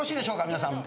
皆さん。